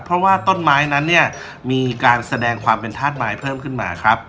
เพราะว่าต้นไม้นั้นเนี่ยมีการแสดงความเป็นธาตุไม้เพิ่มขึ้นมาครับ